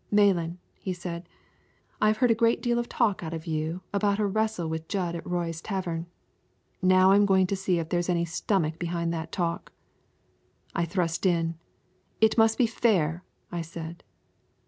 "Malan," he said, "I've heard a great deal of talk out of you about a wrestle with Jud at Roy's tavern. Now I'm going to see if there's any stomach behind that talk." I thrust in. "It must be fair," I said.